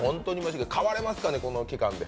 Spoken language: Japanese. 変われますかねこの期間で？